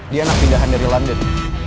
dia anak pindahan dari london